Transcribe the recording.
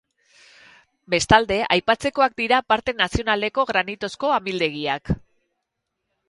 Bestalde, aipatzekoak dira parke nazionaleko granitozko amildegiak.